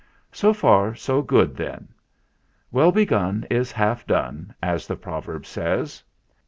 "So far so good then. 'Well begun is half done/ as the proverb says.